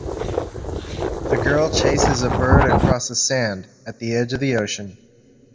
A girl chases a bird across the sand at the edge of the ocean.